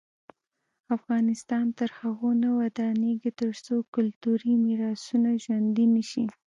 افغانستان تر هغو نه ابادیږي، ترڅو کلتوري میراثونه ژوندي نشي.